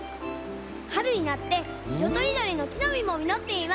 はるになっていろとりどりのきのみもみのっています！